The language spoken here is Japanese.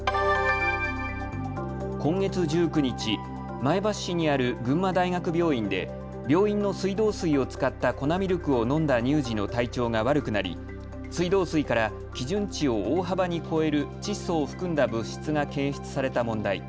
今月１９日、前橋市にある群馬大学病院で病院の水道水を使った粉ミルクを飲んだ乳児の体調が悪くなり水道水から基準値を大幅に超える窒素を含んだ物質が検出された問題。